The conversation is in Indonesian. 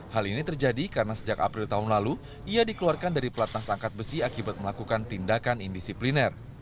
hal ini terjadi karena sejak april tahun lalu ia dikeluarkan dari pelatnas angkat besi akibat melakukan tindakan indisipliner